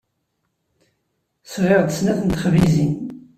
Sɣiɣ-d snat n texbizin.